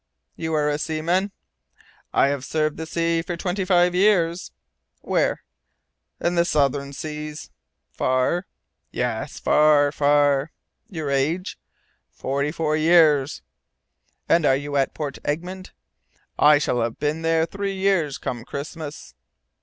"You are a seaman?" "I have served the sea for twenty five years." "Where?" "In the Southern Seas." "Far?" "Yes, far, far." "Your age?" "Forty four years." "And you are at Port Egmont?" "I shall have been there three years, come Christmas."